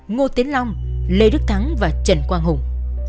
ngô tiến long lê đức thắng và trần quang hùng